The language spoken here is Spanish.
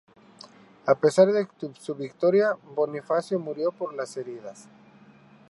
A pesar de su victoria, Bonifacio murió por las heridas.